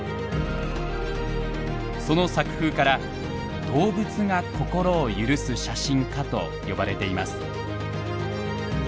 その作風から「動物が心を許す写真家」と呼ばれています。